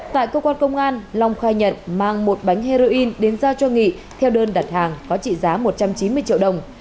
tại công an long khai nhận mang một bánh heroin đến ra cho nghị theo đơn đặt hàng có trị giá một trăm chín mươi triệu đồng